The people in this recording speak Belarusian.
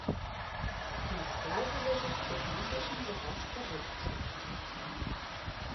На складзе ляжыць трохмесячны запас прадукцыі.